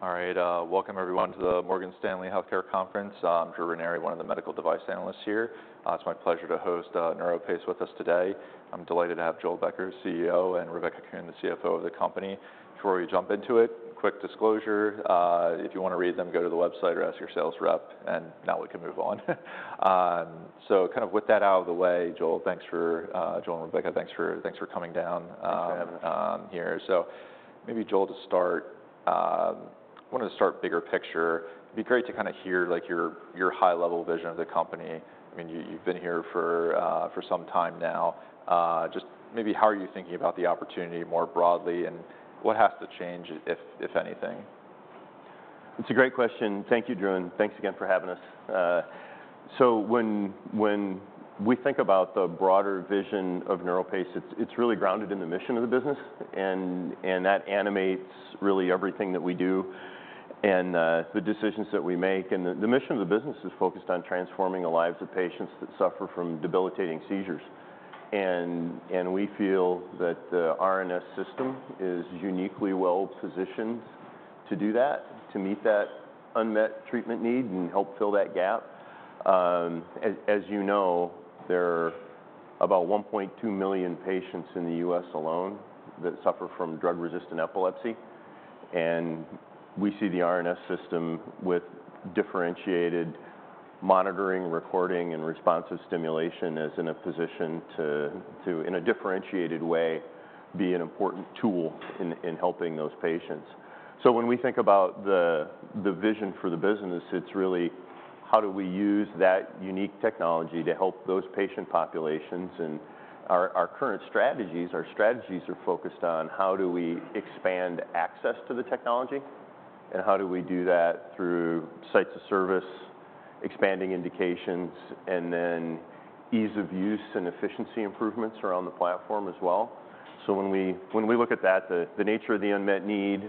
All right, welcome everyone to the Morgan Stanley Healthcare Conference. I'm Drew Ranieri, one of the medical device analysts here. It's my pleasure to host NeuroPace with us today. I'm delighted to have Joel Becker, CEO, and Rebecca Kuhn, the CFO of the company. Before we jump into it, quick disclosure, if you wanna read them, go to the website or ask your sales rep, and now we can move on. So kind of with that out of the way, Joel and Rebecca, thanks for coming down. Thanks for having us.... here. So maybe Joel, to start, wanted to start bigger picture. It'd be great to kind of hear, like, your high-level vision of the company. I mean, you, you've been here for some time now. Just maybe how are you thinking about the opportunity more broadly, and what has to change, if anything? It's a great question. Thank you, Drew, and thanks again for having us, so when we think about the broader vision of NeuroPace, it's really grounded in the mission of the business, and that animates really everything that we do and the decisions that we make, and the mission of the business is focused on transforming the lives of patients that suffer from debilitating seizures, and we feel that the RNS System is uniquely well positioned to do that, to meet that unmet treatment need and help fill that gap. As you know, there are about 1.2 million patients in the U.S. alone that suffer from drug-resistant epilepsy, and we see the RNS System, with differentiated monitoring, recording, and responsive stimulation, as in a position to, in a differentiated way, be an important tool in, in helping those patients. So when we think about the vision for the business, it's really: how do we use that unique technology to help those patient populations? And our current strategies are focused on how do we expand access to the technology, and how do we do that through sites of service, expanding indications, and then ease of use and efficiency improvements around the platform as well. So, when we look at that, the nature of the unmet need,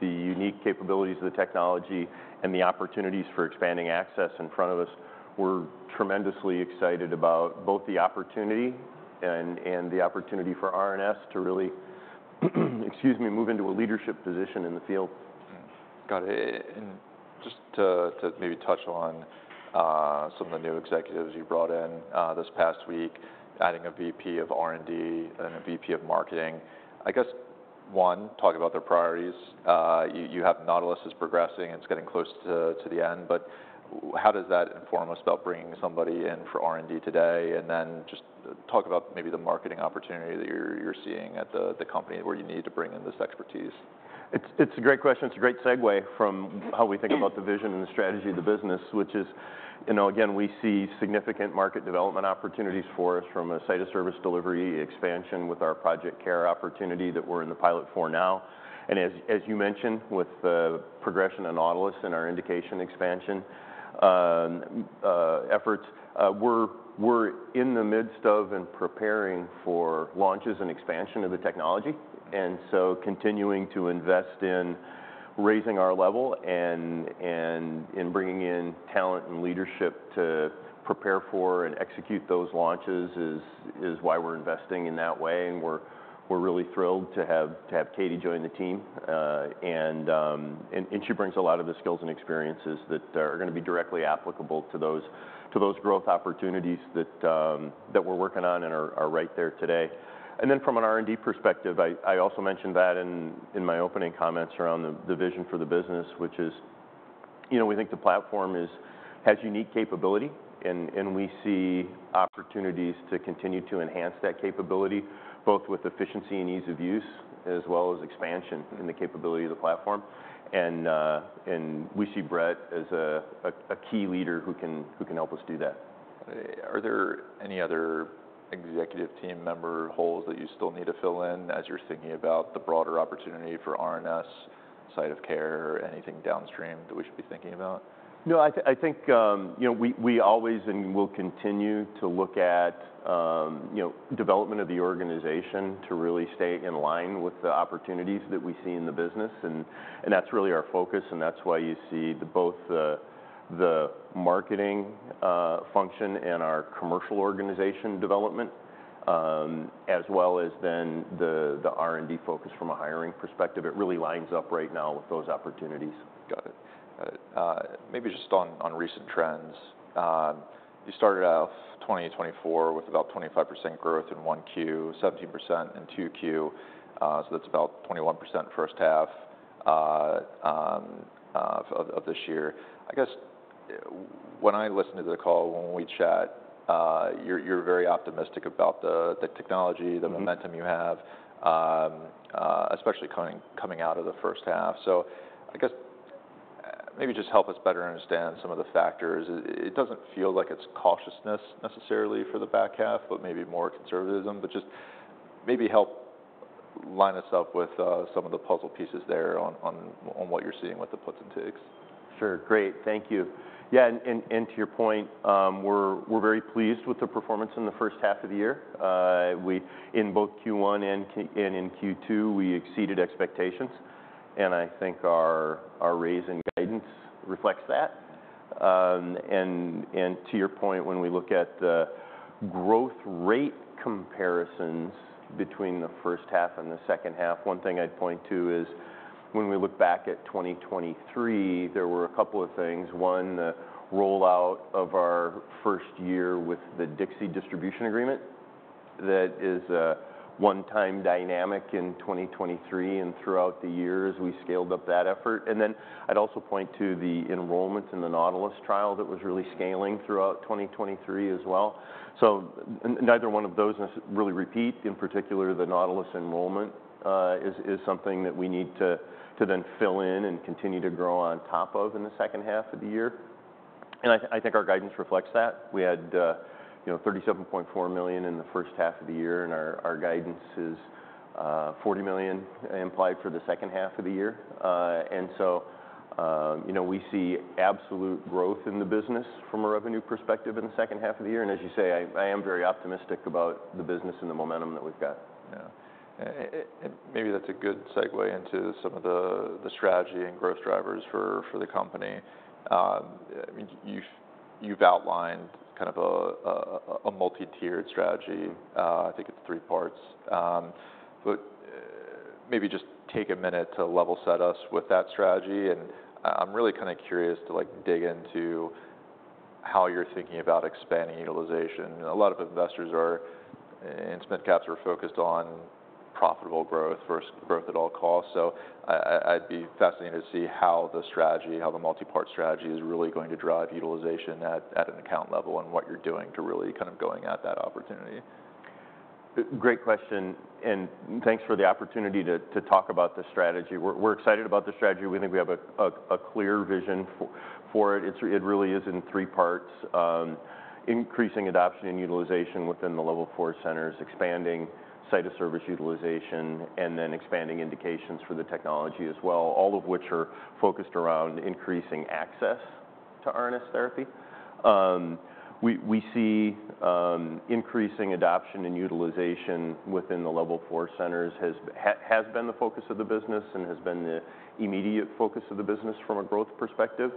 the unique capabilities of the technology, and the opportunities for expanding access in front of us, we're tremendously excited about both the opportunity and the opportunity for RNS to really, excuse me, move into a leadership position in the field. Got it. And just to maybe touch on some of the new executives you brought in this past week, adding a VP of R&D and a VP of Marketing. I guess, one, talk about their priorities. You have Nautilus is progressing, it's getting close to the end, but how does that inform us about bringing somebody in for R&D today? And then just talk about maybe the marketing opportunity that you're seeing at the company, where you need to bring in this expertise. It's a great question. It's a great segue from how we think about the vision and the strategy of the business, which is, you know, again, we see significant market development opportunities for us from a site of service delivery, expansion with our Project CARE opportunity that we're in the pilot for now, and as you mentioned, with the progression of Nautilus and our indication expansion efforts. We're in the midst of and preparing for launches and expansion of the technology, and so continuing to invest in raising our level and in bringing in talent and leadership to prepare for and execute those launches is why we're investing in that way. And we're really thrilled to have Katie join the team. She brings a lot of the skills and experiences that are gonna be directly applicable to those growth opportunities that we're working on and are right there today. Then from an R&D perspective, I also mentioned that in my opening comments around the vision for the business, which is, you know, we think the platform is... has unique capability, and we see opportunities to continue to enhance that capability, both with efficiency and ease of use, as well as expansion in the capability of the platform. We see Brett as a key leader who can help us do that. Are there any other executive team member roles that you still need to fill in as you're thinking about the broader opportunity for RNS, site of CARE, anything downstream that we should be thinking about? No, I think, you know, we always and will continue to look at, you know, development of the organization to really stay in line with the opportunities that we see in the business, and that's really our focus, and that's why you see the both, the marketing function and our commercial organization development, as well as then the R&D focus from a hiring perspective. It really lines up right now with those opportunities. Got it. Maybe just on recent trends, you started out twenty twenty-four with about 25% growth in 1Q, 17% in 2Q, so that's about 21% first half of this year. I guess, when I listened to the call, when we chat, you're very optimistic about the technology- Mm-hmm... the momentum you have, especially coming out of the first half. So I guess, maybe just help us better understand some of the factors. It doesn't feel like it's cautiousness necessarily for the back half, but maybe more conservatism. But just maybe help line us up with, some of the puzzle pieces there on, what you're seeing with the puts and takes. Sure. Great, thank you. Yeah, and to your point, we're very pleased with the performance in the first half of the year. In both Q1 and Q2, we exceeded expectations, and I think our raise in guidance reflects that. To your point, when we look at the growth rate comparisons between the first half and the second half, one thing I'd point to is, when we look back at twenty twenty-three, there were a couple of things: one, the rollout of our first year with the Dixi distribution agreement. That is a one-time dynamic in twenty twenty-three, and throughout the year, as we scaled up that effort. Then I'd also point to the enrollments in the Nautilus trial that was really scaling throughout twenty twenty-three as well. Neither one of those really repeat, in particular, the Nautilus enrollment is something that we need to then fill in and continue to grow on top of in the second half of the year. And I think our guidance reflects that. We had, you know, $37.4 million in the first half of the year, and our guidance is $40 million implied for the second half of the year. And so, you know, we see absolute growth in the business from a revenue perspective in the second half of the year, and as you say, I am very optimistic about the business and the momentum that we've got. Yeah. Maybe that's a good segue into some of the strategy and growth drivers for the company. You've outlined kind of a multi-tiered strategy. I think it's three parts. But maybe just take a minute to level set us with that strategy, and I'm really kind of curious to, like, dig into how you're thinking about expanding utilization. A lot of investors in mid caps are focused on profitable growth versus growth at all costs. So I'd be fascinated to see how the strategy, how the multi-part strategy, is really going to drive utilization at an account level, and what you're doing to really kind of going at that opportunity. Great question, and thanks for the opportunity to talk about the strategy. We're excited about the strategy. We think we have a clear vision for it. It really is in three parts: increasing adoption and utilization within the Level 4 centers, expanding site of service utilization, and then expanding indications for the technology as well, all of which are focused around increasing access to RNS therapy. We see increasing adoption and utilization within the Level 4 centers has been the focus of the business and has been the immediate focus of the business from a growth perspective.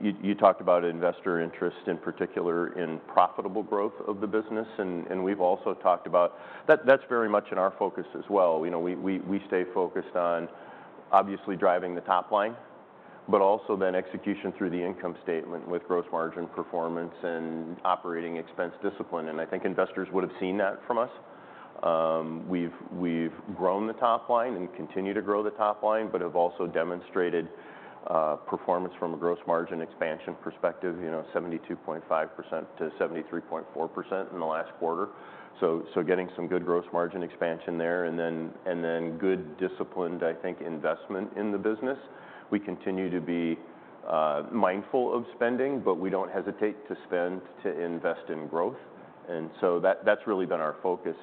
You talked about investor interest, in particular, in profitable growth of the business, and we've also talked about that. That's very much in our focus as well. You know, we stay focused on obviously driving the top line, but also then execution through the income statement with gross margin performance and operating expense discipline, and I think investors would have seen that from us. We've grown the top line and continue to grow the top line, but have also demonstrated performance from a gross margin expansion perspective, you know, 72.5%-73.4% in the last quarter, so getting some good gross margin expansion there, and then good, disciplined, I think, investment in the business. We continue to be mindful of spending, but we don't hesitate to spend to invest in growth, and so that's really been our focus.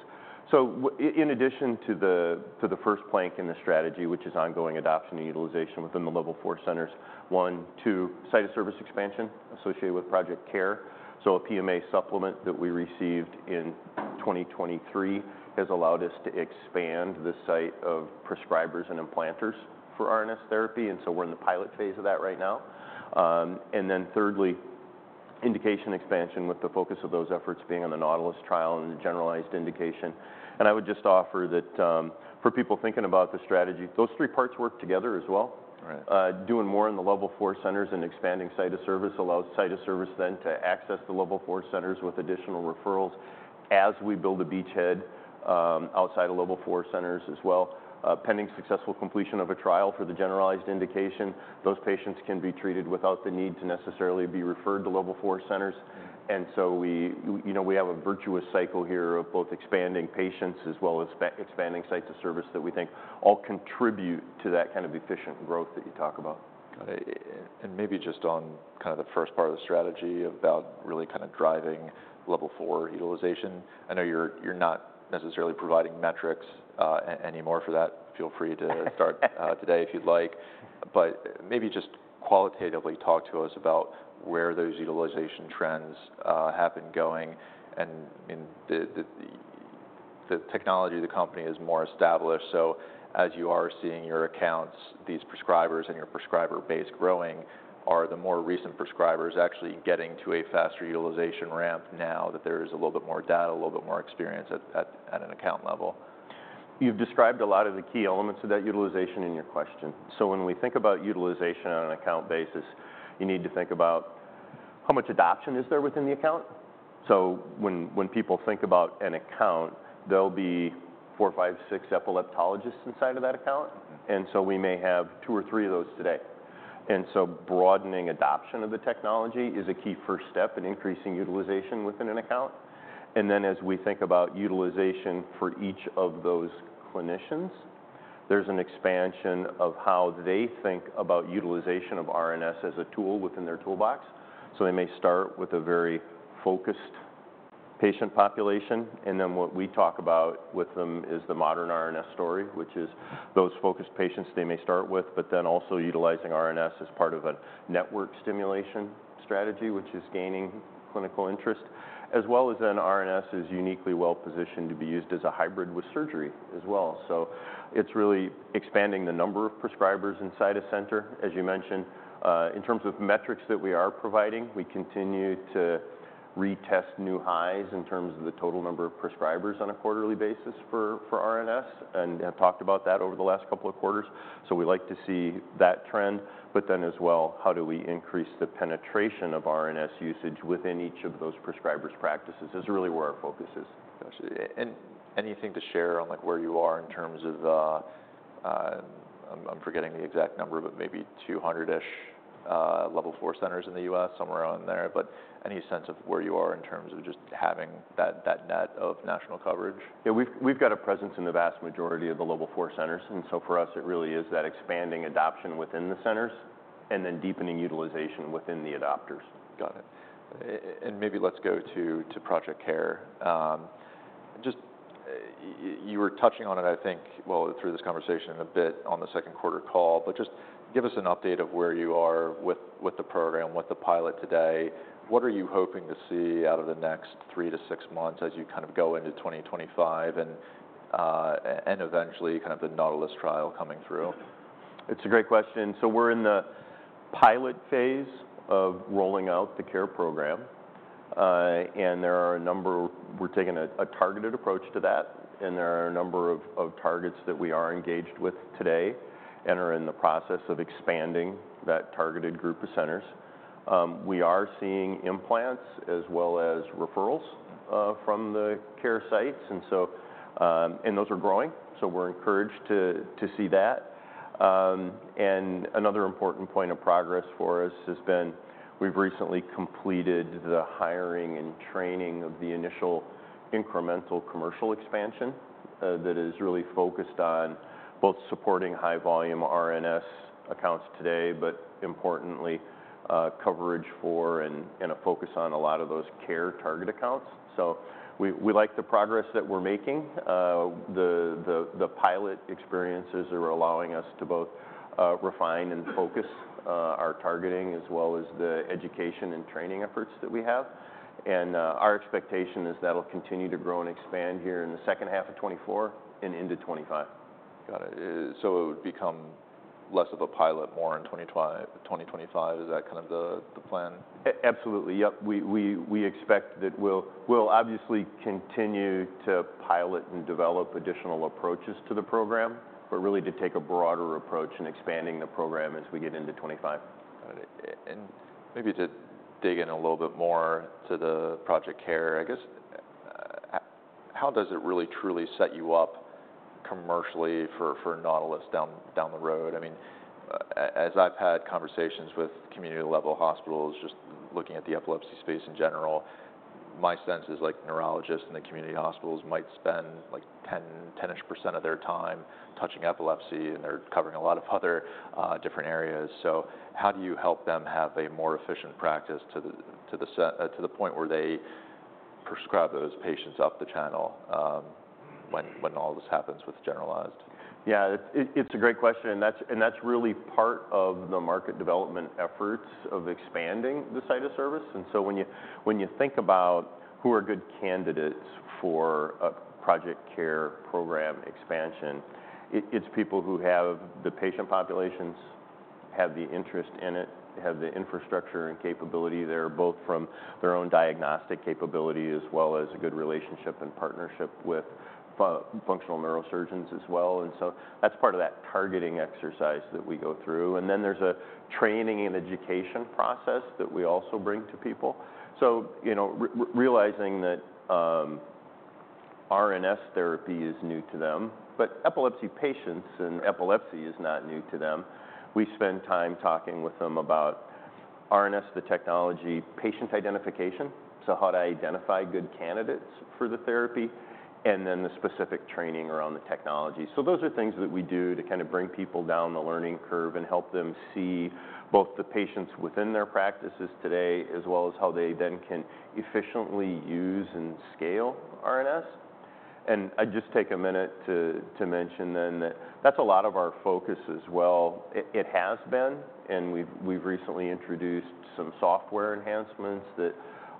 So in addition to the first plank in the strategy, which is ongoing adoption and utilization within the Level 4 centers, one, two, site of service expansion associated with Project CARE. So a PMA supplement that we received in twenty twenty-three has allowed us to expand the site of prescribers and implanters for RNS therapy, and so we're in the pilot phase of that right now. And then thirdly, indication expansion with the focus of those efforts being on the Nautilus trial and the generalized indication. And I would just offer that, for people thinking about the strategy, those three parts work together as well. Right. Doing more in the Level 4 centers and expanding site of service allows site of service then to access the Level 4 centers with additional referrals as we build a beachhead, outside of Level 4 centers as well. Pending successful completion of a trial for the generalized indication, those patients can be treated without the need to necessarily be referred to Level 4 centers. Mm-hmm. We, you know, we have a virtuous cycle here of both expanding patients as well as expanding sites of service that we think all contribute to that kind of efficient growth that you talk about. Got it. And maybe just on kind of the first part of the strategy about really kind of driving Level 4 utilization. I know you're not necessarily providing metrics anymore for that. Feel free to start today if you'd like, but maybe just qualitatively talk to us about where those utilization trends have been going, and in the technology, the company is more established. So as you are seeing your accounts, these prescribers and your prescriber base growing, are the more recent prescribers actually getting to a faster utilization ramp now that there is a little bit more data, a little bit more experience at an account level? You've described a lot of the key elements of that utilization in your question. So when we think about utilization on an account basis, you need to think about: how much adoption is there within the account? So when people think about an account, there'll be four, five, six epileptologists inside of that account- Mm-hmm... and so we may have two or three of those today, and so broadening adoption of the technology is a key first step in increasing utilization within an account, and then as we think about utilization for each of those clinicians, there's an expansion of how they think about utilization of RNS as a tool within their toolbox. So they may start with a very focused patient population, and then what we talk about with them is the modern RNS story, which is those focused patients they may start with, but then also utilizing RNS as part of a network stimulation strategy, which is gaining clinical interest. As well as then RNS is uniquely well-positioned to be used as a hybrid with surgery as well. So it's really expanding the number of prescribers inside a center, as you mentioned. In terms of metrics that we are providing, we continue to retest new highs in terms of the total number of prescribers on a quarterly basis for RNS, and have talked about that over the last couple of quarters. So we like to see that trend, but then as well, how do we increase the penetration of RNS usage within each of those prescribers' practices, is really where our focus is. Got you. And anything to share on, like, where you are in terms of... I'm forgetting the exact number, but maybe two hundred-ish, level four centers in the U.S., somewhere around there? But any sense of where you are in terms of just having that net of national coverage? Yeah, we've got a presence in the vast majority of the Level 4 centers, and so for us, it really is that expanding adoption within the centers, and then deepening utilization within the adopters. Got it. And maybe let's go to Project CARE. Just you were touching on it, I think, well, through this conversation a bit on the Q2 call, but just give us an update of where you are with the program, with the pilot today. What are you hoping to see out of the next three to six months as you kind of go into twenty twenty-five, and eventually, kind of the Nautilus trial coming through? It's a great question, so we're in the pilot phase of rolling out the CARE program. We're taking a targeted approach to that, and there are a number of targets that we are engaged with today, and are in the process of expanding that targeted group of centers. We are seeing implants as well as referrals from the CARE sites, and those are growing, so we're encouraged to see that, and another important point of progress for us has been. We've recently completed the hiring and training of the initial incremental commercial expansion that is really focused on both supporting high volume RNS accounts today, but importantly, coverage for and a focus on a lot of those CARE target accounts, so we like the progress that we're making. The pilot experiences are allowing us to both refine and focus our targeting, as well as the education and training efforts that we have. And our expectation is that'll continue to grow and expand here in the second half of twenty twenty-four and into twenty twenty-five. Got it. So it would become less of a pilot, more in twenty twenty-five. Is that kind of the plan? Absolutely, yep. We expect that we'll obviously continue to pilot and develop additional approaches to the program, but really to take a broader approach in expanding the program as we get into twenty twenty-five. Got it. And maybe to dig in a little bit more to the Project CARE, I guess, how does it really, truly set you up commercially for Nautilus down the road? I mean, as I've had conversations with community level hospitals, just looking at the epilepsy space in general, my sense is, like, neurologists in the community hospitals might spend, like, 10, 10-ish% of their time touching epilepsy, and they're covering a lot of other different areas. So how do you help them have a more efficient practice to the point where they prescribe those patients up the channel, when all this happens with generalized? Yeah, it's a great question, and that's really part of the market development efforts of expanding the site of service. And so when you think about who are good candidates for a Project CARE program expansion, it's people who have the patient populations, have the interest in it, have the infrastructure and capability there, both from their own diagnostic capability, as well as a good relationship and partnership with functional neurosurgeons as well. And so that's part of that targeting exercise that we go through. And then, there's a training and education process that we also bring to people. So, you know, realizing that, RNS therapy is new to them, but epilepsy patients and epilepsy is not new to them. We spend time talking with them about RNS, the technology, patient identification, so how to identify good candidates for the therapy, and then the specific training around the technology, so those are things that we do to kind of bring people down the learning curve and help them see both the patients within their practices today, as well as how they then can efficiently use and scale RNS, and I'd just take a minute to mention then that that's a lot of our focus as well. It has been, and we've recently introduced some software enhancements that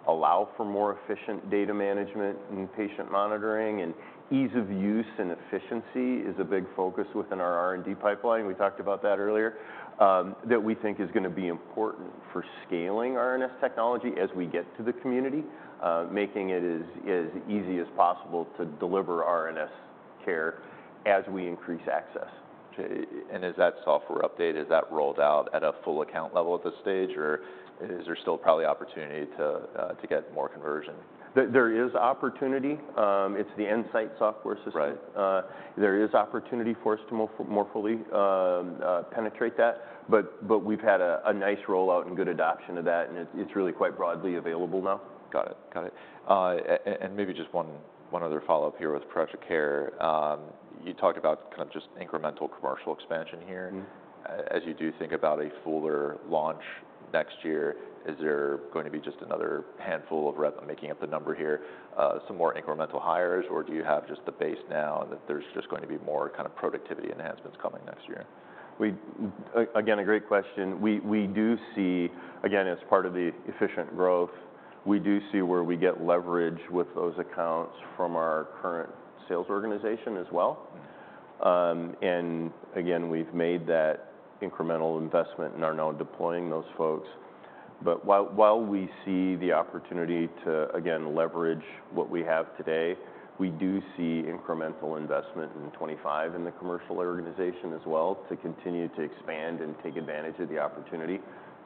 allow for more efficient data management, new patient monitoring, and ease of use and efficiency is a big focus within our R&D pipeline. We talked about that earlier, that we think is gonna be important for scaling RNS technology as we get to the community, making it as easy as possible to deliver RNS CARE as we increase access. Is that software update, is that rolled out at a full account level at this stage, or is there still probably opportunity to get more conversion? There is opportunity. It's the nSight software system. Right. There is opportunity for us to more fully penetrate that, but we've had a nice rollout and good adoption of that, and it's really quite broadly available now. Got it, got it, and maybe just one other follow-up here with Project CARE. You talked about kind of just incremental commercial expansion here. Mm-hmm. As you do think about a fuller launch next year, is there going to be just another handful of reps, making up the number here, some more incremental hires, or do you have just the base now, and that there's just going to be more kind of productivity enhancements coming next year? Again, a great question. We do see, again, as part of the efficient growth, where we get leverage with those accounts from our current sales organization as well. And again, we've made that incremental investment and are now deploying those folks. But while we see the opportunity to, again, leverage what we have today, we do see incremental investment in twenty twenty-five in the commercial organization as well, to continue to expand and take advantage of the opportunity.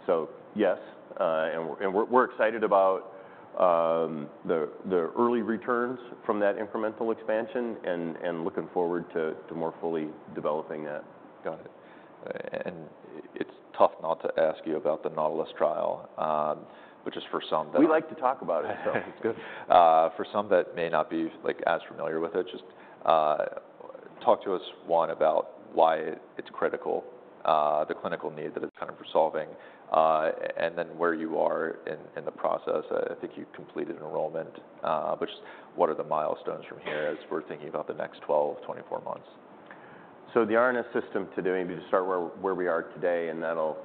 So yes, and we're excited about the early returns from that incremental expansion and looking forward to more fully developing that. Got it, and it's tough not to ask you about the Nautilus trial, which is for some that- We like to talk about it, so it's good. For some that may not be, like, as familiar with it, just talk to us about why it's critical, the clinical need that it's kind of resolving, and then where you are in the process. I think you've completed enrollment, but just what are the milestones from here as we're thinking about the next 12, 24 months? So the RNS System today, maybe to start where we are today, and that'll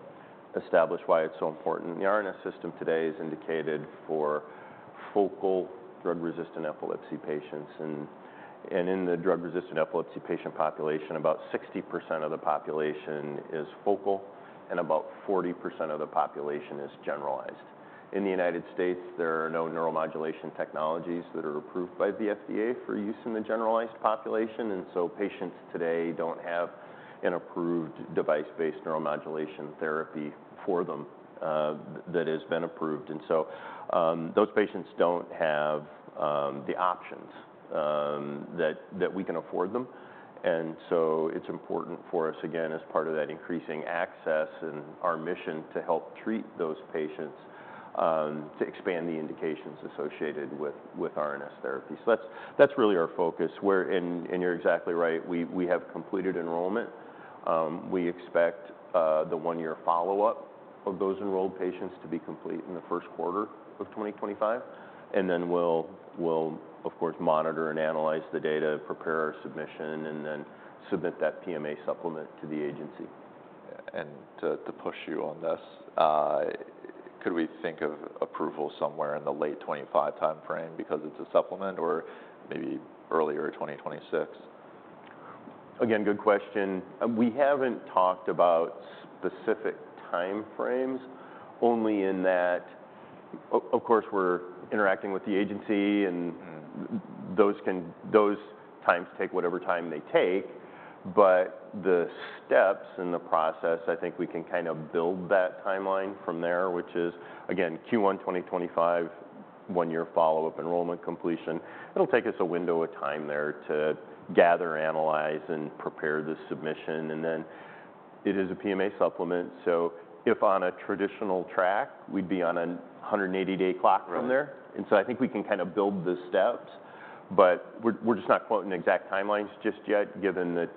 establish why it's so important. The RNS System today is indicated for focal drug-resistant epilepsy patients. And in the drug-resistant epilepsy patient population, about 60% of the population is focal, and about 40% of the population is generalized. In the United States, there are no neuromodulation technologies that are approved by the FDA for use in the generalized population, and so patients today don't have an approved device-based neuromodulation therapy for them, that has been approved. And so, those patients don't have the options that we can afford them. And so it's important for us, again, as part of that increasing access and our mission to help treat those patients, to expand the indications associated with RNS therapy. So that's really our focus, where... You're exactly right. We have completed enrollment. We expect the one-year follow-up of those enrolled patients to be complete in the Q1 of twenty twenty-five, and then we'll of course monitor and analyze the data, prepare our submission, and then submit that PMA supplement to the agency. To push you on this, could we think of approval somewhere in the late twenty twenty-five timeframe because it's a supplement, or maybe earlier twenty twenty-six? Again, good question. We haven't talked about specific timeframes, only in that, of course, we're interacting with the agency, and- Mm... those times take whatever time they take. But the steps in the process, I think we can kind of build that timeline from there, which is, again, Q1 twenty twenty-five, one-year follow-up enrollment completion. It'll take us a window of time there to gather, analyze, and prepare the submission, and then it is a PMA supplement, so if on a traditional track, we'd be on an 180-day clock from there. Right. I think we can kind of build the steps, but we're just not quoting exact timelines just yet, given that,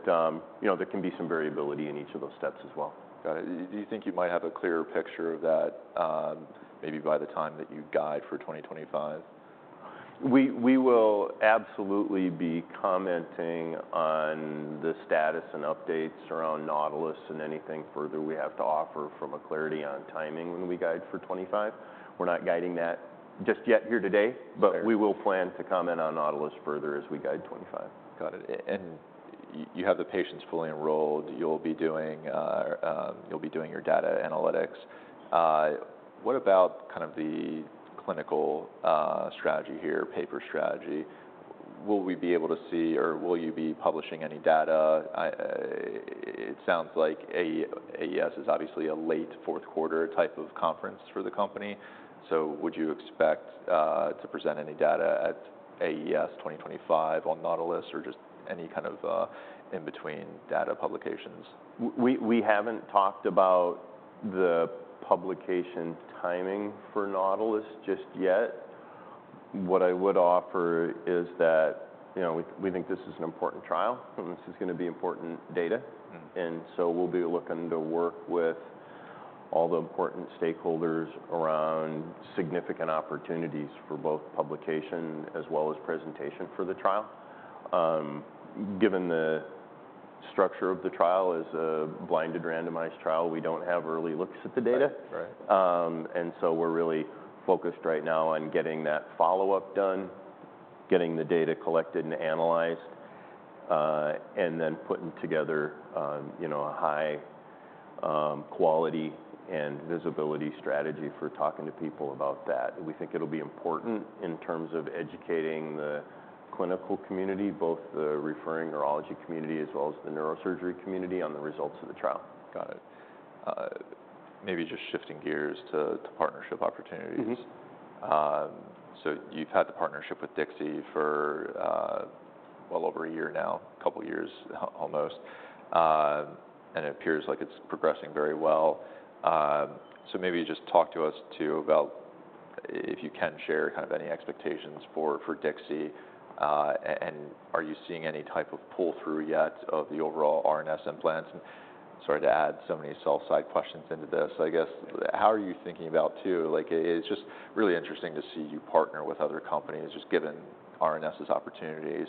you know, there can be some variability in each of those steps as well. Got it. Do you think you might have a clearer picture of that, maybe by the time that you guide for twenty twenty-five? We will absolutely be commenting on the status and updates around Nautilus and anything further we have to offer from a clarity on timing when we guide for twenty twenty-five. We're not guiding that just yet here today. Fair... but we will plan to comment on Nautilus further as we guide twenty twenty-five. Got it. And you have the patients fully enrolled. You'll be doing your data analytics. What about kind of the clinical strategy here, PMA strategy? Will we be able to see, or will you be publishing any data? It sounds like AES is obviously a late Q4 type of conference for the company, so would you expect to present any data at AES twenty twenty-five on Nautilus, or just any kind of in-between data publications? We haven't talked about the publication timing for Nautilus just yet. What I would offer is that, you know, we think this is an important trial, and this is gonna be important data. Mm. And so we'll be looking to work with all the important stakeholders around significant opportunities for both publication as well as presentation for the trial. Given the structure of the trial as a blinded randomized trial, we don't have early looks at the data. Right. Right. And so we're really focused right now on getting that follow-up done, getting the data collected and analyzed, and then putting together, you know, a high quality and visibility strategy for talking to people about that. We think it'll be important in terms of educating the clinical community, both the referring neurology community as well as the neurosurgery community, on the results of the trial. Got it. Maybe just shifting gears to partnership opportunities. Mm-hmm. You've had the partnership with Dixi for well over a year now, almost a couple years. It appears like it's progressing very well. Maybe just talk to us, too, about if you can share kind of any expectations for Dixi, and are you seeing any type of pull-through yet of the overall RNS implants? Sorry to add so many sell-side questions into this. I guess how are you thinking about, too. Like, it's just really interesting to partner with other companies, just given RNS's opportunities.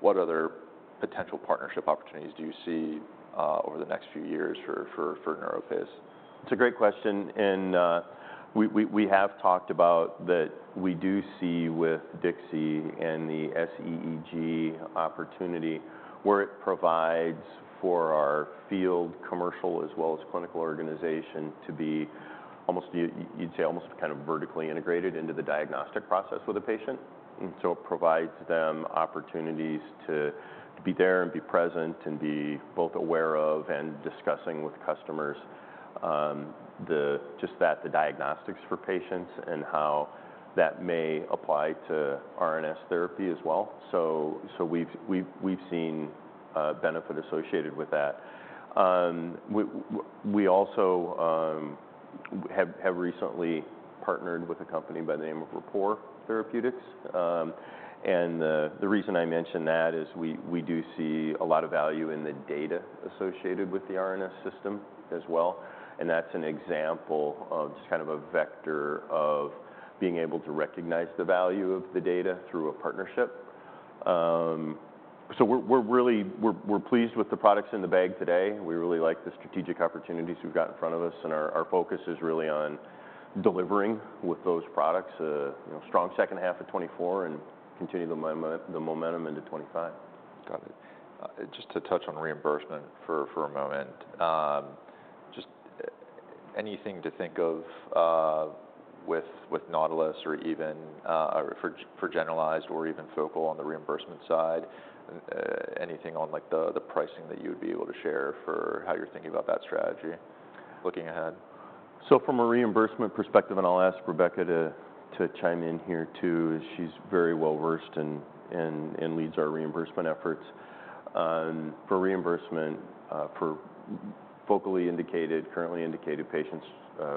What other potential partnership opportunities do you see over the next few years for NeuroPace? It's a great question, and we have talked about that we do see with Dixi and the SEEG opportunity, where it provides for our field commercial as well as clinical organization to be almost, you'd say, almost kind of vertically integrated into the diagnostic process with the patient, and so it provides them opportunities to be there and be present, and be both aware of and discussing with customers, just that, the diagnostics for patients and how that may apply to RNS therapy as well, so we've seen benefit associated with that. We also have recently partnered with a company by the name of Rapport Therapeutics. And the reason I mention that is we do see a lot of value in the data associated with the RNS system as well, and that's an example of just kind of a vector of being able to recognize the value of the data through a partnership. So we're really pleased with the products in the bag today. We really like the strategic opportunities we've got in front of us, and our focus is really on delivering with those products, you know, strong second half of twenty twenty-four and continue the momentum into twenty twenty-five. Got it. Just to touch on reimbursement for a moment. Just anything to think of with Nautilus or even for generalized or even focal on the reimbursement side, anything on like the pricing that you would be able to share for how you're thinking about that strategy looking ahead? So from a reimbursement perspective, and I'll ask Rebecca to chime in here, too. She's very well-versed and leads our reimbursement efforts. For reimbursement, for focally indicated, currently indicated patients,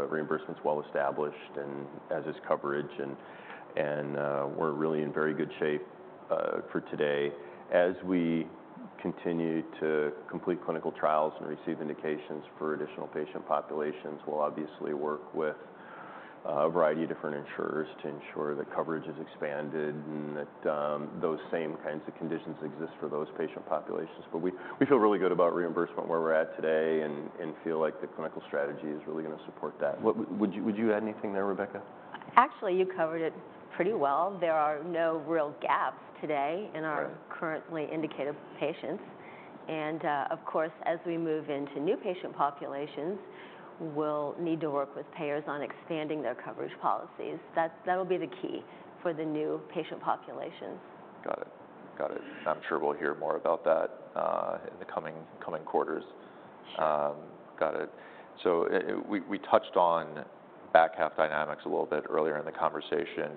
reimbursement's well-established, and as is coverage, and we're really in very good shape, for today. As we continue to complete clinical trials and receive indications for additional patient populations, we'll obviously work with a variety of different insurers to ensure that coverage is expanded and that those same kinds of conditions exist for those patient populations. But we feel really good about reimbursement where we're at today, and feel like the clinical strategy is really gonna support that. Would you add anything there, Rebecca? Actually, you covered it pretty well. There are no real gaps today- Right... in our currently indicated patients. Of course, as we move into new patient populations, we'll need to work with payers on expanding their coverage policies. That will be the key for the new patient populations. Got it. Got it. I'm sure we'll hear more about that in the coming quarters. Sure. Got it. So we touched on back half dynamics a little bit earlier in the conversation,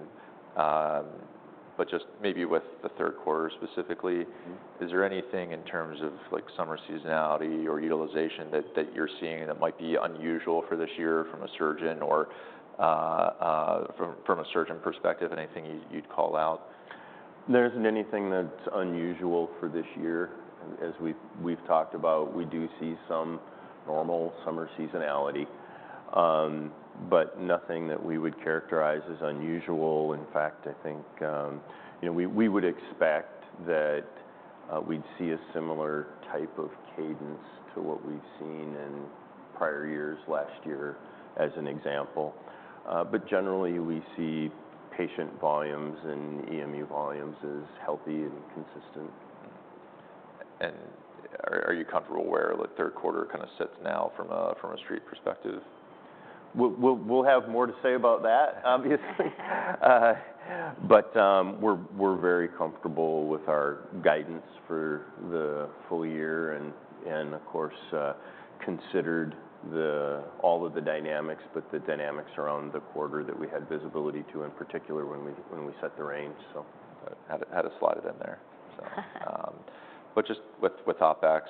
but just maybe with the Q3 specifically- Mm-hmm... is there anything in terms of, like, summer seasonality or utilization that you're seeing that might be unusual for this year from a surgeon or from a surgeon perspective, anything you'd call out? There isn't anything that's unusual for this year. As we've talked about, we do see some normal summer seasonality, but nothing that we would characterize as unusual. In fact, I think, you know, we would expect that, we'd see a similar type of cadence to what we've seen in prior years, last year, as an example. But generally, we see patient volumes and EMU volumes as healthy and consistent. Are you comfortable where the Q3 kind of sits now from a street perspective? We'll have more to say about that, obviously. But we're very comfortable with our guidance for the full year and, of course, considered all of the dynamics, but the dynamics around the quarter that we had visibility to, in particular, when we set the range, so. Had to slide it in there. So, but just with OpEx,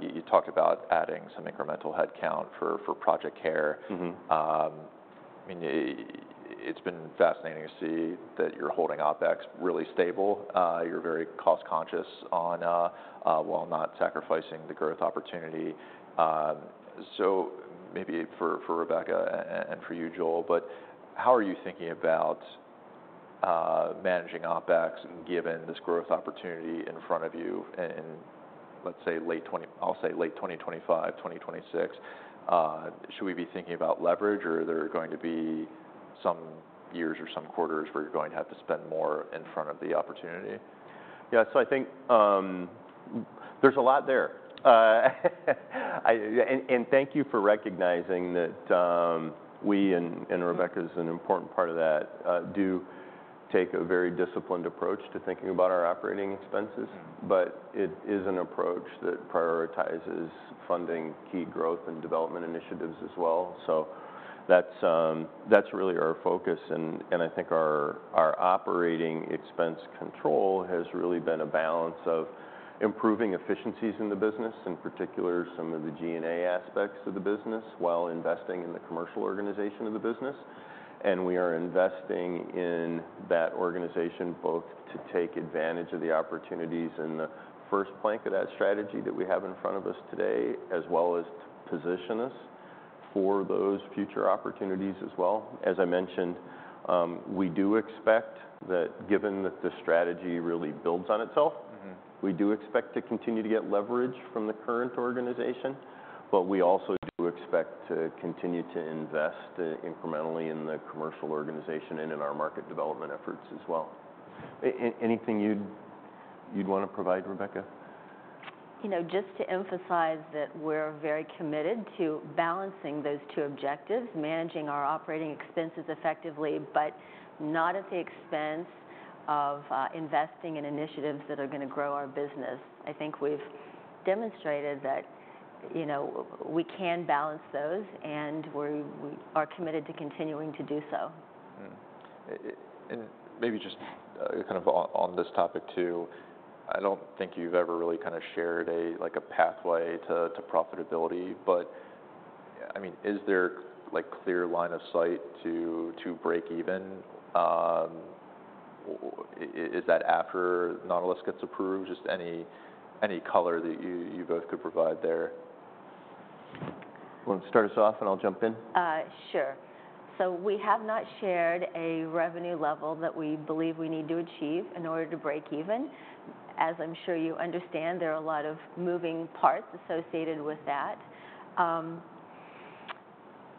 you talked about adding some incremental headcount for Project CARE. Mm-hmm. I mean, it's been fascinating to see that you're holding OpEx really stable. You're very cost conscious on while not sacrificing the growth opportunity. So maybe for Rebecca and for you, Joel, but how are you thinking about managing OpEx, given this growth opportunity in front of you in, let's say, late twenty-- I'll say late twenty twenty-five, twenty twenty-six? Should we be thinking about leverage, or are there going to be some years or some quarters where you're going to have to spend more in front of the opportunity? Yeah, so I think, there's a lot there. And thank you for recognizing that, we and Rebecca is an important part of that, do take a very disciplined approach to thinking about our operating expenses. Mm-hmm... but it is an approach that prioritizes funding key growth and development initiatives as well. So that's really our focus, and I think our operating expense control has really been a balance of improving efficiencies in the business, in particular, some of the G&A aspects of the business, while investing in the commercial organization of the business. And we are investing in that organization both to take advantage of the opportunities in the first plank of that strategy that we have in front of us today, as well as to position us for those future opportunities as well. As I mentioned, we do expect that given that the strategy really builds on itself- Mm-hmm. We do expect to continue to get leverage from the current organization, but we also do expect to continue to invest incrementally in the commercial organization and in our market development efforts as well. Anything you'd want to provide, Rebecca? You know, just to emphasize that we're very committed to balancing those two objectives, managing our operating expenses effectively, but not at the expense of investing in initiatives that are going to grow our business. I think we've demonstrated that, you know, we can balance those, and we are committed to continuing to do so. And maybe just kind of on this topic, too, I don't think you've ever really kind of shared a like a pathway to profitability, but I mean, is there like clear line of sight to break even? Is that after Nautilus gets approved? Just any color that you both could provide there. Want to start us off, and I'll jump in? Sure. So we have not shared a revenue level that we believe we need to achieve in order to break even. As I'm sure you understand, there are a lot of moving parts associated with that.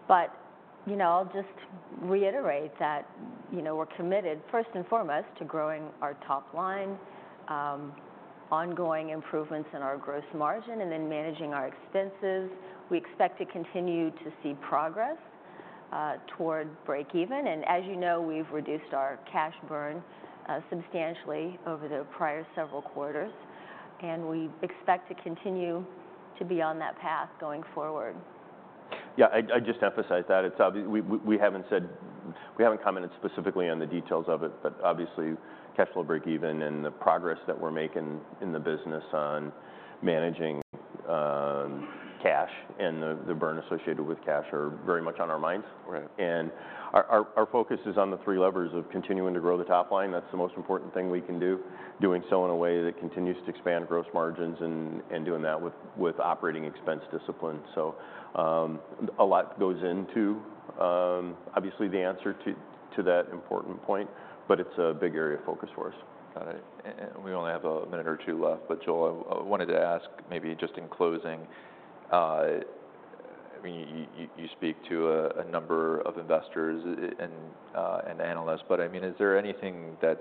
But, you know, I'll just reiterate that, you know, we're committed, first and foremost, to growing our top line, ongoing improvements in our gross margin, and then managing our expenses. We expect to continue to see progress toward break even, and as you know, we've reduced our cash burn substantially over the prior several quarters, and we expect to continue to be on that path going forward. Yeah, I'd just emphasize that. It's obvious we haven't commented specifically on the details of it, but obviously, cash flow break even and the progress that we're making in the business on managing cash and the burn associated with cash are very much on our minds. Right. Our focus is on the three levers of continuing to grow the top line, that's the most important thing we can do, doing so in a way that continues to expand gross margins, and doing that with operating expense discipline. A lot goes into, obviously, the answer to that important point, but it's a big area of focus for us. Got it. And we only have a minute or two left, but Joel, I wanted to ask, maybe just in closing, I mean, you speak to a number of investors and analysts, but, I mean, is there anything that's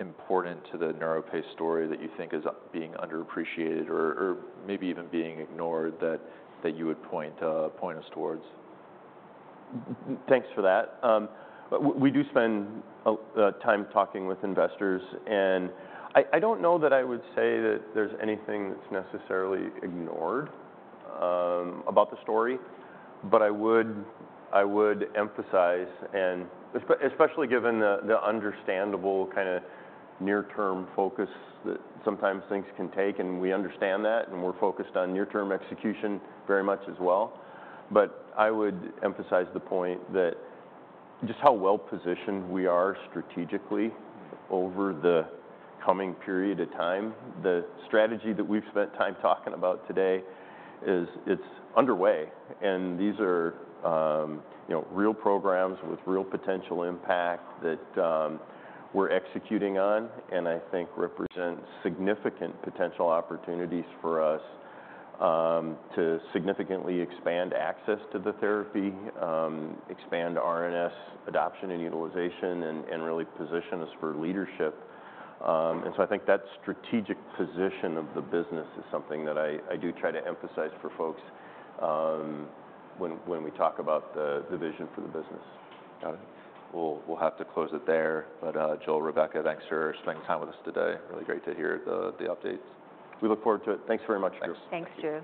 important to the NeuroPace story that you think is being underappreciated or maybe even being ignored, that you would point us towards? Thanks for that. We do spend a time talking with investors, and I don't know that I would say that there's anything that's necessarily ignored about the story, but I would, I would emphasize, and especially given the understandable kind of near-term focus that sometimes things can take, and we understand that, and we're focused on near-term execution very much as well, but I would emphasize the point that just how well positioned we are strategically over the coming period of time. The strategy that we've spent time talking about today is, it's underway, and these are, you know, real programs with real potential impact that, we're executing on, and I think represents significant potential opportunities for us, to significantly expand access to the therapy, expand RNS adoption and utilization, and really position us for leadership. And so I think that strategic position of the business is something that I do try to emphasize for folks, when we talk about the vision for the business. Got it. We'll have to close it there, but Joel, Rebecca, thanks for spending time with us today. Really great to hear the updates. We look forward to it. Thanks very much, Drew. Thanks, Drew.